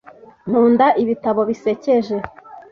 Nkunda ibitabo bisekeje .